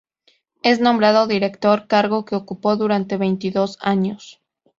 Es nombrado director cargo que ocupó durante veintidós años.